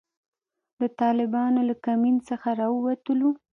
د طالبانو له کمین څخه را ووتلو.